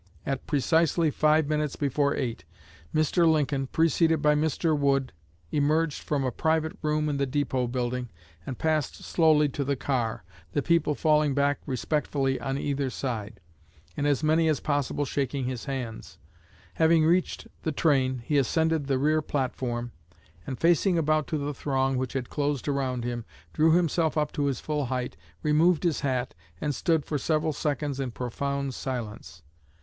At precisely five minutes before eight, Mr. Lincoln, preceded by Mr. Wood, emerged from a private room in the depot building, and passed slowly to the car, the people falling back respectfully on either side, and as many as possible shaking his hands. Having reached the train, he ascended the rear platform, and, facing about to the throng which had closed around him, drew himself up to his full height, removed his hat, and stood for several seconds in profound silence.